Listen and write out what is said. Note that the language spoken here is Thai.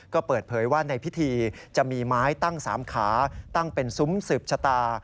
ก็เปิดเผยว่าในพิธีจะมีไม้ตั้ง๓ขาตั้งเป็นซุ้มสืบชะตา